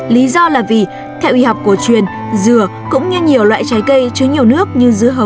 lý do là vì theo y học cổ truyền dừa cũng như nhiều loại trái cây chứa nhiều nước như dứa hấ